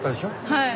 はい。